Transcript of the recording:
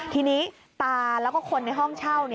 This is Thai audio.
ทีนี้ตาแล้วก็คนในห้องเช่า